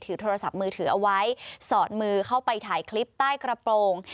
โทรศัพท์มือถือเอาไว้สอดมือเข้าไปถ่ายคลิปใต้กระโปรง